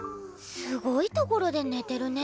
すごいところで寝てるね。